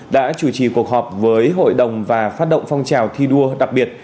đã chủ trì cuộc họp với hội đồng và phát động phong trào thi đua đặc biệt